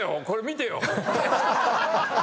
これ見てよ。